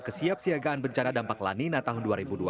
kesiap siagaan bencana dampak lanina tahun dua ribu dua puluh satu